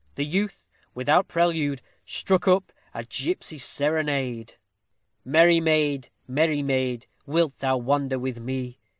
The youth, without prelude, struck up a GIPSY SERENADE Merry maid, merry maid, wilt thou wander with me?